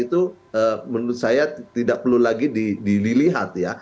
itu menurut saya tidak perlu lagi dilihat ya